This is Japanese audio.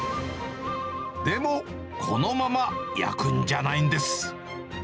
でも、このまま焼くんじゃないんです。